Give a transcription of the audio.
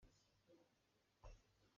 Kaa hlok lengmang nain ka phan deuh lo.